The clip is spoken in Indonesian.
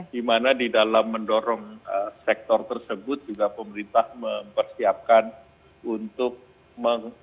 di mana di dalam mendorong sektor tersebut juga pemerintah mempersiapkan untuk mengembangkan